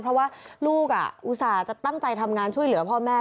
เพราะว่าลูกอุตส่าห์จะตั้งใจทำงานช่วยเหลือพ่อแม่